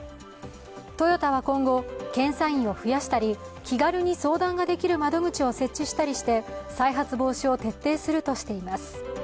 トヨタは今後、検査員を増やしたり気軽に相談ができる窓口を設置したりして再発防止を徹底するとしています。